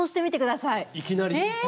いきなり？